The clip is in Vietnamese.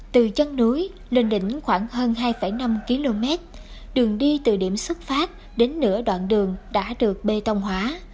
từ chân núi lên đỉnh khoảng hơn hai năm km đường đi từ điểm xuất phát đến nửa đoạn đường đã được bê tông hóa